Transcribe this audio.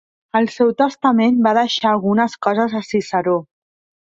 Al seu testament va deixar algunes coses a Ciceró.